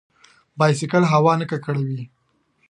بایسکل هوا نه ککړوي.